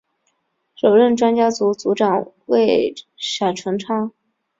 首任专家组组长为闪淳昌。